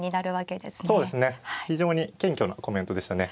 非常に謙虚なコメントでしたね。